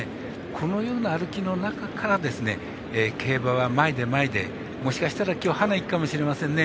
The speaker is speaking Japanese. このような歩きの中から競馬は前で前で、もしかしたら今日はハナへ行くかもしれませんね。